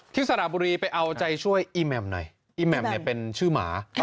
สระบุรีไปเอาใจช่วยอีแหม่มหน่อยอีแหม่มเนี่ยเป็นชื่อหมา